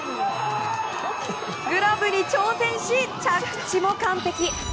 グラブに挑戦し、着地も完璧！